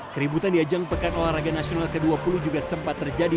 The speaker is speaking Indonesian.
keributan di ajang pekan olahraga nasional ke dua puluh juga sempat terjadi